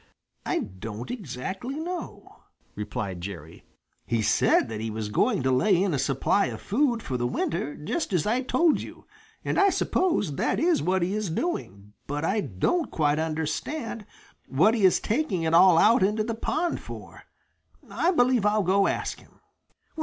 "I don't exactly know," replied Jerry. "He said that he was going to lay in a supply of food for the winter, just as I told you, and I suppose that is what he is doing. But I don't quite understand what he is taking it all out into the pond for. I believe I'll go ask him."